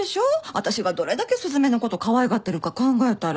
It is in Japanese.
私がどれだけ雀のことかわいがってるか考えたら。